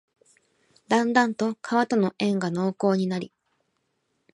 だんだんと川との縁が濃厚になり、